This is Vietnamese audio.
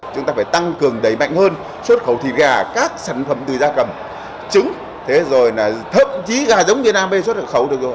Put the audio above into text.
chúng ta phải tăng cường đầy mạnh hơn xuất khẩu thịt gà các sản phẩm từ gia cầm trứng thế rồi là thậm chí gà giống như nam bê xuất khẩu được rồi